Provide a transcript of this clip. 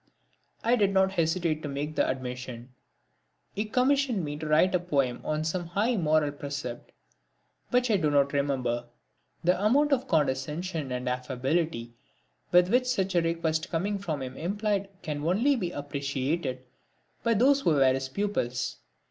I did not hesitate to make the admission. He commissioned me to write a poem on some high moral precept which I do not remember. The amount of condescension and affability which such a request coming from him implied can only be appreciated by those who were his pupils.